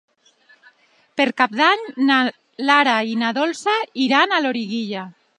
Per Cap d'Any na Lara i na Dolça iran a Loriguilla.